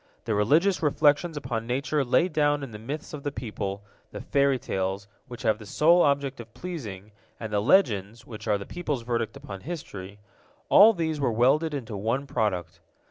The religious reflections upon nature laid down in the myths of the people, the fairy tales, which have the sole object of pleasing, and the legends, which are the people's verdict upon history—all these were welded into one product.